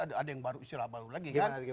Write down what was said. ada yang baru istilah baru lagi kan